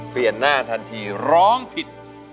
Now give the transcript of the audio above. เปลี่ยนหน้าทันทีร้องผิด